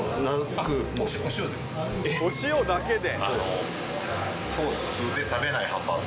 お塩だけで？